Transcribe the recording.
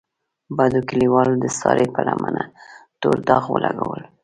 بدو کلیوالو د سارې په لمنه تور داغ ولګولو.